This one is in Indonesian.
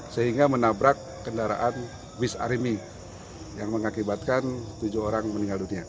sehingga menabrak kendaraan bis arimi yang mengakibatkan tujuh orang meninggal dunia